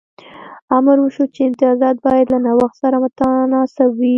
امر وشو چې امتیازات باید له نوښت سره متناسب وي